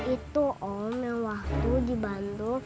itu om yang waktu dibantu